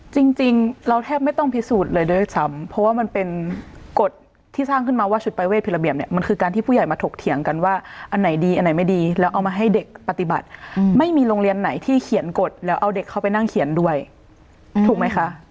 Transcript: จริงเราแทบไม่ต้องพิสูจน์เลยด้วยซ้ำเพราะว่ามันเป็นกฎที่สร้างขึ้นมาว่าชุดปรายเวทผิดระเบียบเนี่ยมันคือการที่ผู้ใหญ่มาถกเถียงกันว่าอันไหนดีอันไหนไม่ดีแล้วเอามาให้เด็กปฏิบัติไม่มีโรงเรียนไหนที่เขียนกฎแล้วเอาเด็กเข้าไปนั่งเขียนด้วยถูกไหมคะ